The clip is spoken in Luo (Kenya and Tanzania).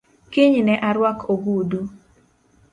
Kiny ne aruak ogudu